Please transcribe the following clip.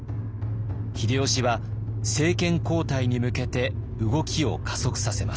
秀吉は政権交代に向けて動きを加速させます。